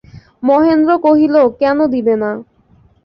মহেন্দ্র কহিল, কেন দিবে না।